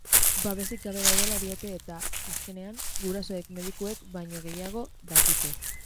Babesik gabe daudela diote eta, azkenean, gurasoek medikuek baino gehiago dakite.